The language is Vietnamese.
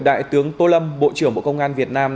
đại tướng tô lâm bộ trưởng bộ công an việt nam